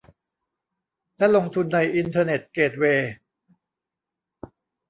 และลงทุนในอินเทอร์เน็ตเกตเวย์